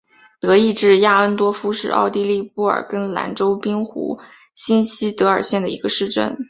德意志亚恩多夫是奥地利布尔根兰州滨湖新锡德尔县的一个市镇。